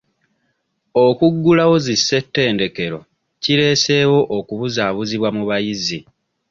Okuggulawo zi ssettendekero kireeseewo okubuzaabuzibwa mu bayizi.